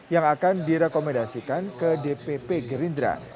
yang akan direkomendasikan ke dpp gerindra